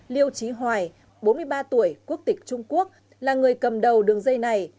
liêu trí hoài bốn mươi ba tuổi quốc tịch trung quốc là người cầm đầu đường dây này